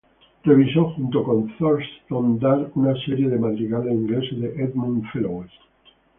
Revisó junto con Thurston Dart una serie de madrigales ingleses de Edmund Fellowes.